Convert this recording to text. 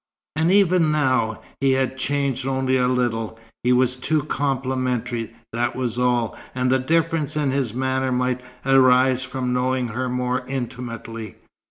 And even now, he had changed only a little. He was too complimentary, that was all; and the difference in his manner might arise from knowing her more intimately.